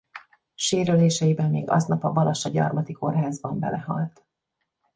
Sérüléseibe még aznap a balassagyarmati kórházban belehalt.